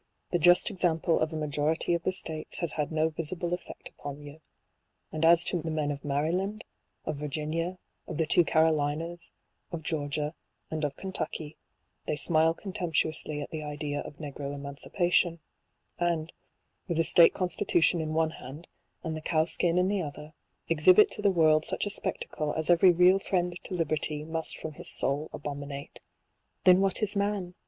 The just example of a majority of the states has had no visible effect upon you , and as to the men of Maryland, of Virginia, of the two Carolinas, of Georgia, and of Ken tucky, they smile contemptuously at the idea of negro emancipation ; and, with the state constitution in one hand, and the cow skin in the other, exhibit to the world such a spectacle as every real friend to liberty must from his soul abominate. ■ Then what is man